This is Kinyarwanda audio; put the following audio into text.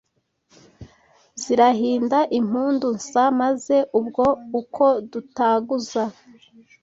Zirahinda impundu nsa Maze ubwo uko dutaguza